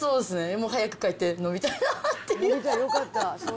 もう早く帰って、飲みたいなっていう。